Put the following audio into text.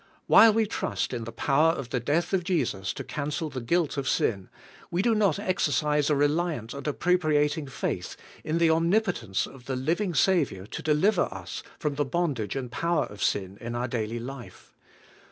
While we trust in the power of the death of Jesus to cancel the guilt of sin, we do not exercise a reliant and appropriating faith in the omnipotence of the living Saviour to deliver us from the bondage a7id poiver of sin in our daily life.